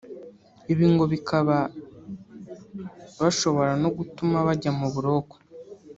ibi ngo bibaka bashobora no gutuma bajya mu buroko